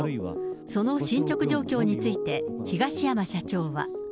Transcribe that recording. その進捗状況について、東山社長は。